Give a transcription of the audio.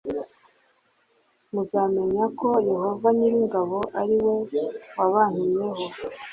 Muzamenya ko yehova nyir ingabo ari we wabantumyeho